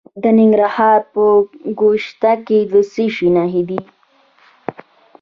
د ننګرهار په ګوشته کې د څه شي نښې دي؟